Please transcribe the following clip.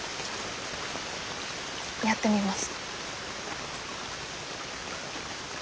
やってみます。